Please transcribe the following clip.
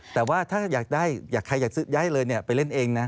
แต่ว่าถ้าอยากได้อยากใส่เลยไปเล่นเองนะ